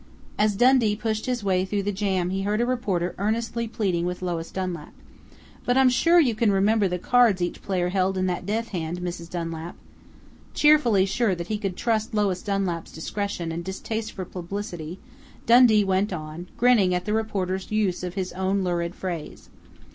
As Dundee pushed his way through the jam he heard a reporter earnestly pleading with Lois Dunlap: "But I'm sure you can remember the cards each player held in that 'death hand,' Mrs. Dunlap " Cheerfully sure that he could trust Lois Dunlap's discretion and distaste for publicity, Dundee went on, grinning at the reporter's use of his own lurid phrase.